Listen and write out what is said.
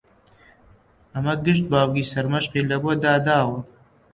ئەمە گشت باوکی سەرمەشقی لەبۆ داداوە